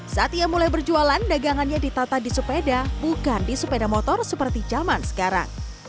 saat ia mulai berjualan dagangannya ditata di sepeda bukan di sepeda motor seperti zaman sekarang